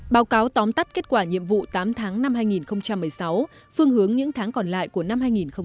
báo cáo tóm tắt kết quả nhiệm vụ tám tháng năm hai nghìn một mươi sáu phương hướng những tháng còn lại của năm hai nghìn một mươi chín